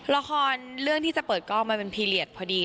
ละครเรื่องที่จะเปิดกล้องมันเป็นพีเรียสพอดี